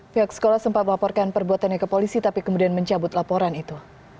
pihak sekolah sempat melaporkan perbuatannya ke polisi tapi kemudian mencabut laporan itu